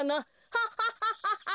ハハハハハ！